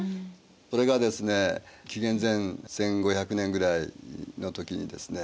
これがですね紀元前１５００年ぐらいの時にですね